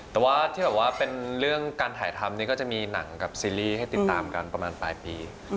แต่ว่าที่แบบว่าเป็นเรื่องการถ่ายทำนี่ก็จะมีหนังกับซีรีส์ให้ติดตามกันประมาณปลายปี